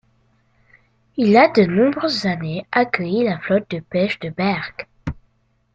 Il a de nombreuses années accueilli la flotte de pêche de Berck.